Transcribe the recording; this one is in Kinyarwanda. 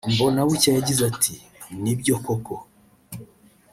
Mbonabucya yagize ati “ Nibyo koko